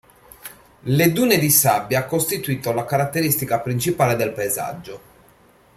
Le dune di sabbia costituito la caratteristica principale del paesaggio.